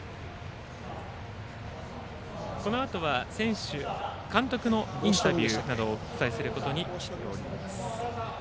このあとは選手、監督のインタビューなどをお伝えすることにしております。